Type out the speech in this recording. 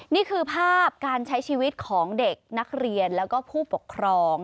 นี่คือภาพการใช้ชีวิตของเด็กนักเรียนแล้วก็ผู้ปกครอง